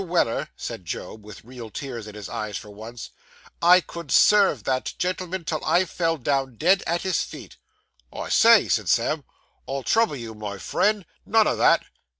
Weller,' said Job, with real tears in his eyes, for once, 'I could serve that gentleman till I fell down dead at his feet.' 'I say!' said Sam, 'I'll trouble you, my friend! None o' that!